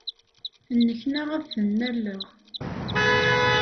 Nneknaɣ ad ten-alleɣ.